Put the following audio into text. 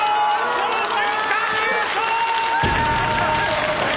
その瞬間優勝！